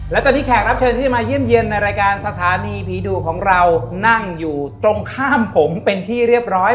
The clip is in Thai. และตอนนี้แขกรับเชิญที่จะมาเยี่ยมเยี่ยมในรายการสถานีผีดุของเรานั่งอยู่ตรงข้ามผมเป็นที่เรียบร้อย